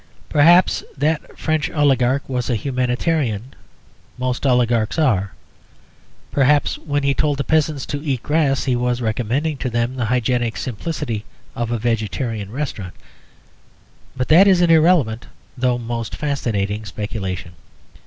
Perhaps that French oligarch was a humanitarian; most oligarchs are. Perhaps when he told the peasants to eat grass he was recommending to them the hygienic simplicity of a vegetarian restaurant. But that is an irrelevant, though most fascinating, speculation.